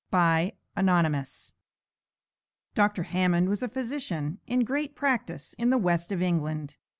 _ ANON. Dr. Hammond was a physician in great practice in the West of England.